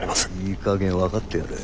いいかげん分かってやれ。